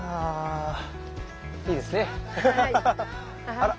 あら？